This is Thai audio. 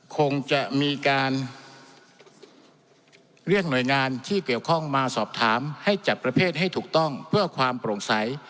คงจะมีการเรียกหน่วยงานที่เกี่ยวข้องมาสอบถามให้จัดประเภทให้ถูกต้องเพื่อความโปร่งใส